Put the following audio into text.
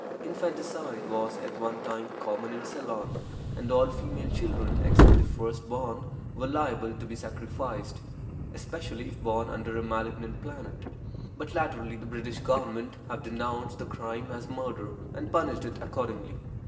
Infanticide was at one time common in Ceylon, and all female children, except the first born, were liable to be sacrificed, especially if born under a malignant planet; but latterly the British government have denounced the crime as murder, and punished it accordingly.